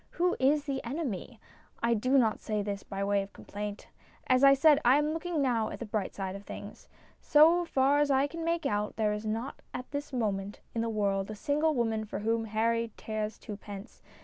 Who is the enemy ? I do not say this by way of complaint. As I said, I am looking now at the bright side of things. So far as I can make out, there is not at this moment in the world a single woman for whom Harry cares twopence.